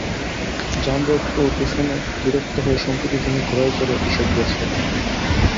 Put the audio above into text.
যানজট ও দূষণে বিরক্ত হয়ে সম্প্রতি তিনি ঘোড়ায় চড়ে অফিসে গিয়েছেন।